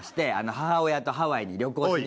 母親とハワイに旅行しに。